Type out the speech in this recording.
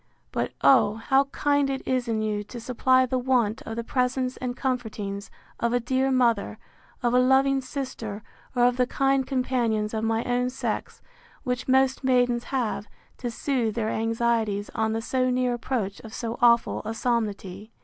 But, oh! how kind it is in you, to supply the want of the presence and comfortings of a dear mother, of a loving sister, or of the kind companions of my own sex, which most maidens have, to soothe their anxieties on the so near approach of so awful a solemnity!